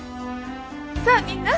さあみんな。